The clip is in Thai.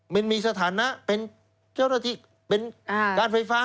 นมีสถานะเป็นเจ้าหน้าที่เป็นการไฟฟ้า